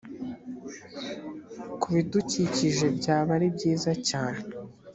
ku bidukikije byaba ari byiza cyane